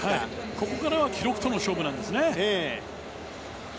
ここからは記録との勝負ですね。